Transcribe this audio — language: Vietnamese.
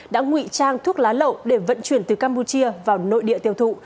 đã ngụy trang thuốc lá lậu để vận chuyển từ campuchia vào nội địa tiêu thụ